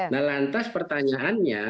nah lantas pertanyaannya